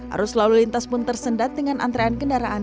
arus lalu lintas pun tersendat dengan antrean kendaraan